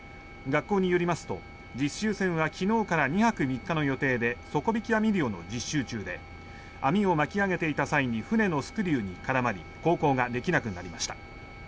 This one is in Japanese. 学校によりますと、実習船は昨日から２泊３日の予定で底引き網漁の実習中で網を巻き上げていた際に船のスクリューに絡まり航行ができなくなりました。